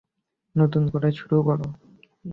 নতুন করে শুরু করো।